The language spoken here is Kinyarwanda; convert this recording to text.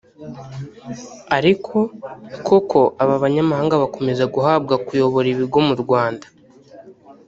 Ariko koko aba banyamahnga bakomeza guhabwa kuyobora ibigo mu Rwanda